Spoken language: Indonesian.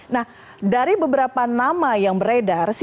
nah dari beberapa nama yang beredar siapa kemudian